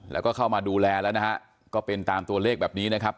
แล้วก็เข้ามาดูแลแล้วนะฮะก็เป็นตามตัวเลขแบบนี้นะครับ